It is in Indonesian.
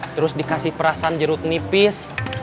terus dikasih perasan jeruk nipis